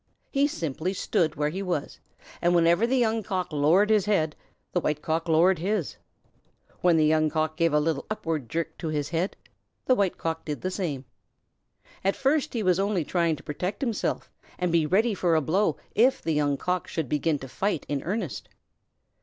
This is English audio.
He simply stood where he was, and whenever the Young Cock lowered his head the White Cock lowered his. Whenever the Young Cock gave a little upward jerk to his head, the White Cock did the same. At first he was only trying to protect himself and be ready for a blow if the Young Cock should begin to fight in earnest.